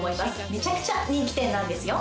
めちゃくちゃ人気店なんですよ。